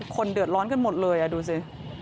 คนเดือดร้อนกันหมดเลยดูสิ